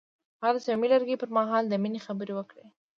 هغه د صمیمي لرګی پر مهال د مینې خبرې وکړې.